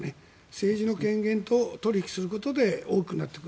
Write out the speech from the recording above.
政治の権限と取引することで大きくなっていく。